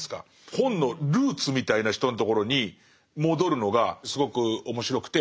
本のルーツみたいな人のところに戻るのがすごく面白くて。